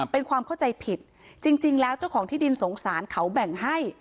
เป็นความเข้าใจผิดจริงแล้วเจ้าของที่ดินสงสารเขาแบ่งให้